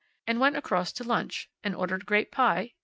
And went across to lunch. And ordered grape pie.